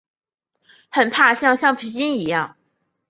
很怕像橡皮筋一样